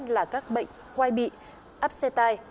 là các bệnh hoai bị áp xe tai